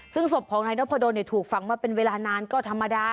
ซึ่งศพของนายนพดลถูกฝังมาเป็นเวลานานก็ธรรมดา